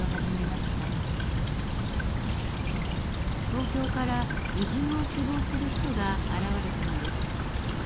東京から移住を希望する人が現れたのです。